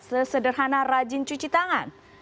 sesederhana rajin cuci tangan